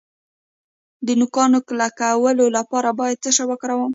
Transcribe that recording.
د نوکانو کلکولو لپاره باید څه شی وکاروم؟